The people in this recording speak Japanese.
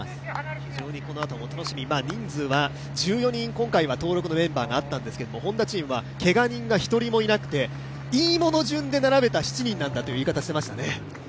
非常にこのあとも楽しみ、人数は１４人、今回は登録メンバーがあったんですが、Ｈｏｎｄａはけが人が一人もいなくていいもの順で並べた７人なんだという言い方をしていました。